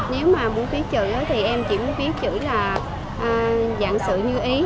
nếu mà muốn phí chữ thì em chỉ muốn phí chữ là dạng sự như ý